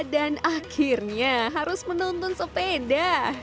dan akhirnya harus menuntun sepeda